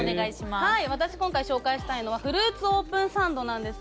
私、今回紹介したいのはフルーツオープンサンドです。